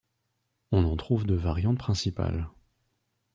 On en trouve deux variantes principales.